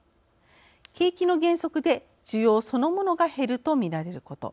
景気の減速で需要そのものが減ると見られること。